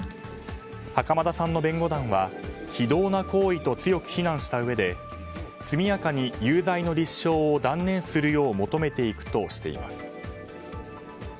袴田さんの弁護団は非道な行為と強く非難したうえで速やかに有罪の立証を断念するよう求めていくとしています。